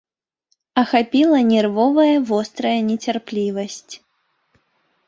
Ахапіла нервовая вострая нецярплівасць.